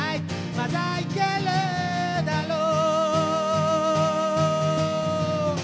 「まだいけるだろう？」